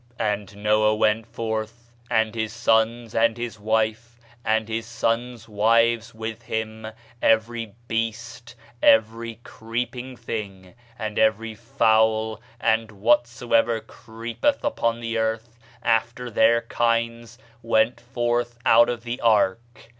"And Noah went forth, and his sons, and his wife, and his sons' wives with him: every beast, every creeping thing, and every fowl, and whatsoever creepeth upon the earth, after their kinds, went forth out of the ark.